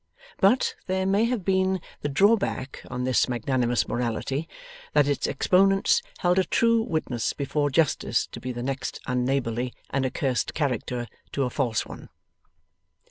But, there may have been the drawback on this magnanimous morality, that its exponents held a true witness before Justice to be the next unneighbourly and accursed character to a false one.